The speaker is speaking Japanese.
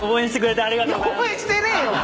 応援してねえよ！